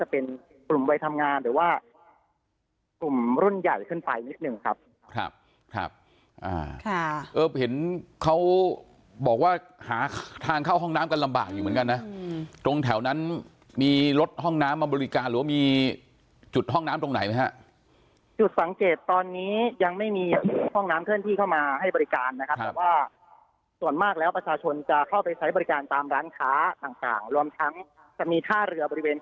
เป็นจุดที่มวลชนสามารถเดินทางเข้าไปเป็นจุดที่มวลชนสามารถเดินทางเข้าไปเป็นจุดที่มวลชนสามารถเดินทางเข้าไปเป็นจุดที่มวลชนสามารถเดินทางเข้าไปเป็นจุดที่มวลชนสามารถเดินทางเข้าไปเป็นจุดที่มวลชนสามารถเดินทางเข้าไปเป็นจุดที่มวลชนสามารถเดินทางเข้าไปเป็นจุดที่มวลชนสามารถเดินทางเข้